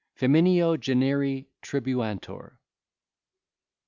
Femineo generi tribuantur.